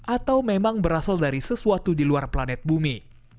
atau memang berasal dari sesuatu di luar planet bumi